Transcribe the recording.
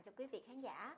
cho quý vị khán giả